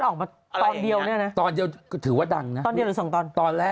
ออกมาตอนเดียวเนี่ยนะตอนเดียวถือว่าดังนะตอนแรกใช่ไหมครับ